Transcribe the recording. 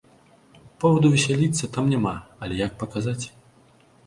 Поваду весяліцца там няма, але як паказаць?